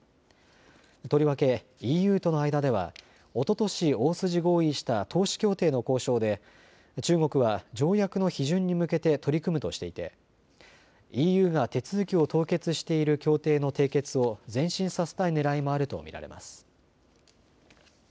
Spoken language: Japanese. とりわけＥＵとの間ではおととし大筋合意した投資協定の交渉で中国は条約の批准に向けて取り組むとしていてＥＵが手続きを凍結している協定の締結を前進させたいねらいもあると見られます。